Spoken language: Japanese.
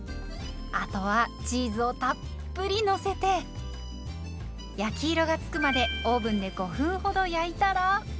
あとはチーズをたっぷりのせて焼き色がつくまでオーブンで５分ほど焼いたら。